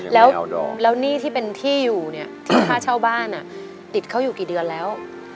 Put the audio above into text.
แล้วหนี้ที่เป็นที่อยู่เนี่ยที่ค่าเช่าบ้านติดเขาอยู่กี่เดือนแล้ว